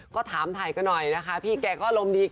ก็ถามไทยก็หน่อยนะคะพี่แกก็โลมดี